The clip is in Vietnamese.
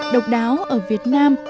độc đáo ở việt nam